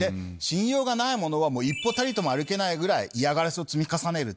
信用がない者は一歩たりとも歩けないぐらい嫌がらせを積み重ねる。